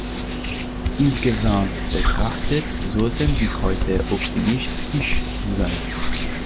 Insgesamt betrachtet, sollten wir heute optimistisch sein.